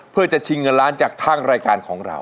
เพื่อจะชิงเงินล้านจากทางรายการของเรา